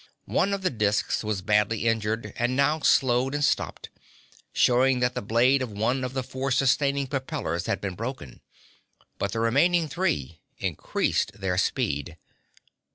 One of the disks was badly injured and now slowed and stopped, showing that the blade of one of the four sustaining propellers had been broken, but the remaining three increased their speed.